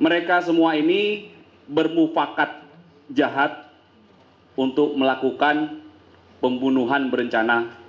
mereka semua ini bermufakat jahat untuk melakukan pembunuhan berencana